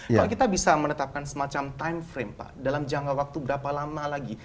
kalau kita bisa menetapkan semacam time frame pak dalam jangka waktu berapa lama lagi